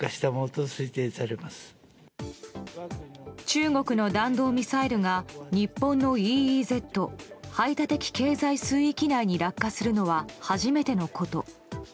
中国の弾道ミサイルが日本のＥＥＺ・排他的経済水域内に落下するのは初めてのこと。